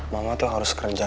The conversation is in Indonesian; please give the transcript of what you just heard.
mama tuh harus kerja